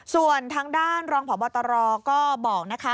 ส่วนทางด้านรองพบตรก็บอกนะคะ